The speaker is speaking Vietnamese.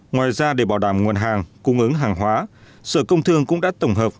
ngoài ra để bảo đảm nguồn hàng cung ứng hàng hóa sở công thương cũng đã tổng hợp